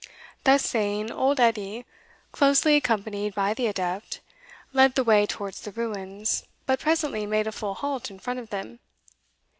Thus saying, old Edie, closely accompanied by the adept, led the way towards the ruins, but presently made a full halt in front of them.